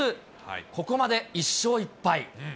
ここまで１勝１敗。